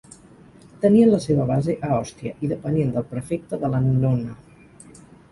Tenien la seva base a Òstia i depenien del prefecte de l'annona.